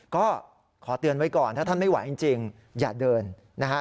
ก็ขอเตือนไว้ก่อนถ้าท่านไม่ไหวจริงอย่าเดินนะฮะ